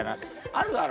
あるだろ